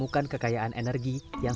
suatu kondisi berhisup antare kode eksplorator